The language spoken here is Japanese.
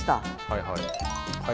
はいはい。